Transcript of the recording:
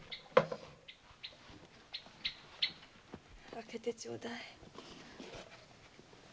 開けてちょうだい。